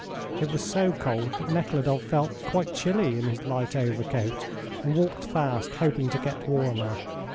It was so cold that Nekhludoff felt quite chilly in his light overcoat, and walked fast hoping to get warmer.